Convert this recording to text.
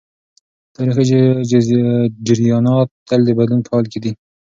تاریخي جریانات تل د بدلون په حال کي دي.